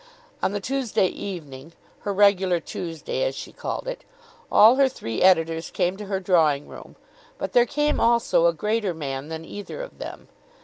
On the Tuesday evening, her regular Tuesday as she called it, all her three editors came to her drawing room; but there came also a greater man than either of them.